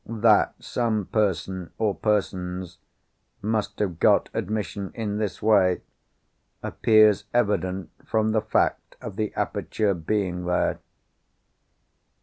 That some person, or persons, must have got admission in this way, appears evident from the fact of the aperture being there.